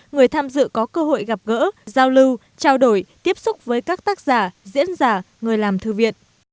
người tham dự có cơ hội gặp gỡ giao lưu trao đổi tiếp xúc với các tác giả diễn giả người làm thư viện